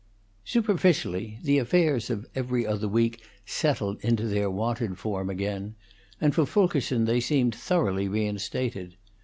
Superficially, the affairs of 'Every Other Week' settled into their wonted form again, and for Fulkerson they seemed thoroughly reinstated.